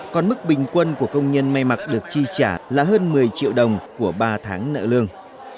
còn mức bình quân của công nhân may mặc được chi trả là hơn một mươi triệu đồng của ba tháng nợ lương